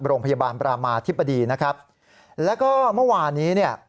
โรงพยาบาลปรามาธิบดีนะครับแล้วก็เมื่อวานี้เนี่ย